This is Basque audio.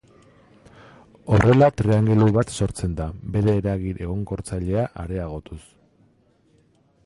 Horrela, triangelu bat sortzen da, bere eragin egonkortzailea areagotuz.